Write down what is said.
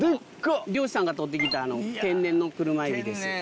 漁師さんが取ってきた天然の車海老です。